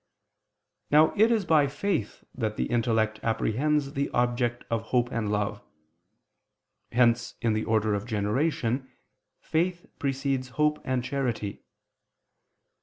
Now it is by faith that the intellect apprehends the object of hope and love. Hence in the order of generation, faith precedes hope and charity.